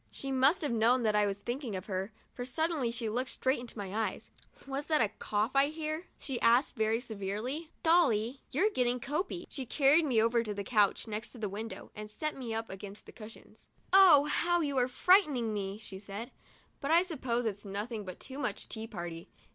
She must have known that I was thinking of her, for suddenly she looked straight into my eyes. "Was that a cough I heard?" she asked, very severely. "' Dolly, you're getting croupy." She carried me over to the couch, next to the window, and set me up against the cushions. TUESDAY— A TEA PARTY AND ITS RESULTS 'O, how you are frightening me!" she said; "but I suppose it's nothing but too much tea party."